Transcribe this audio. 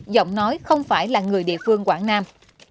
giọng nói không phải là người địa phương quảng nam